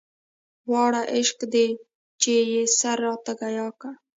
واړه عشق دی چې يې سر راته ګياه کړ.